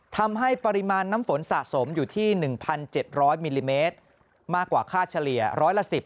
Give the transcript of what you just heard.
ทำให้ปริมาณน้ำฝนสะสมอยู่ที่๑๗๐๐มิลลิเมตรมากกว่าค่าเฉลี่ยร้อยละ๑๐